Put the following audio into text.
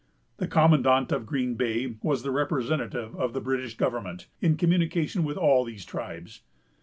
The commandant of Green Bay was the representative of the British government, in communication with all these tribes.